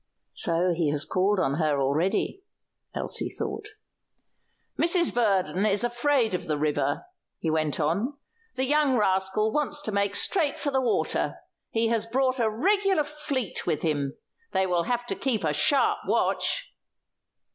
"So he has called on her already," Elsie thought. "Mrs. Verdon is afraid of the river," he went on. "The young rascal wants to make straight for the water; he has brought a regular fleet with him. They will have to keep a sharp watch."